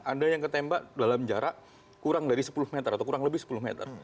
ada yang ketembak dalam jarak kurang dari sepuluh meter atau kurang lebih sepuluh meter